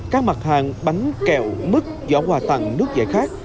các mặt hàng bánh kẹo mứt giỏ quà tặng nước dạy khác